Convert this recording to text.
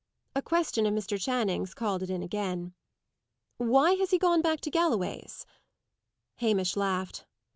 A question of Mr. Channing's called it in again. "Why has he gone back to Galloway's?" Hamish laughed.